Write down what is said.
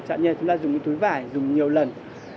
chẳng như chúng ta dùng những túi vải dùng nhiều lần